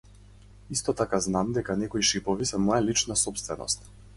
Исто така знам дека некои шипови се моја лична сопственост.